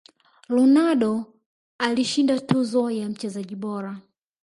ronaldo alishinda tuzo ya mchezaji bora